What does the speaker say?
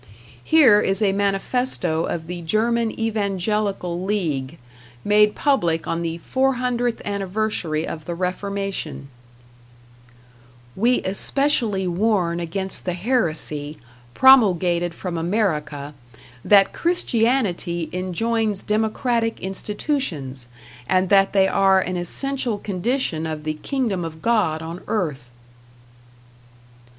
Here is a manifesto of the German Evangelical League, made public on the four hundredth anniversary of the Reformation: We especially warn against the heresy, promulgated from America, that Christianity enjoins democratic institutions, and that they are an essential condition of the kingdom of God on earth.